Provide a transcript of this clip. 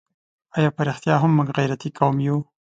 آیا په رښتیا هم موږ غیرتي قوم یو؟